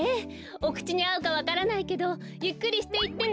おくちにあうかわからないけどゆっくりしていってね。